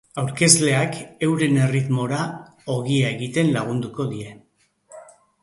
Aurkezleak euren erritmora ogia egiten lagunduko die.